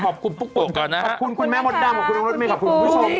ขอบคุณปุ๊บของได้ขอบคุณแม่มดดำขอบคุณทุกคนของคุณรถแม่